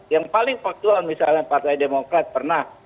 yang paling faktual misalnya partai demokrat pernah